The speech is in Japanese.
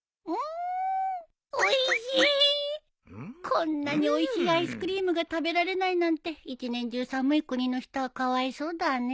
こんなにおいしいアイスクリームが食べられないなんて一年中寒い国の人はかわいそうだね。